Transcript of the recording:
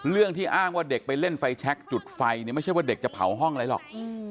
เรื่องที่อ้างว่าเด็กไปเล่นไฟแชคจุดไฟเนี่ยไม่ใช่ว่าเด็กจะเผาห้องอะไรหรอก